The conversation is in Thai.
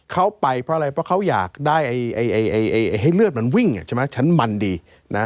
เขาไปเพราะอะไรเพราะเขาอยากให้เลือดมันวิ่งชั้นมันดี